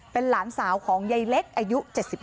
เป็นหลานสาวของยายเล็กอายุ๗๕